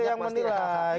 itu yang menilai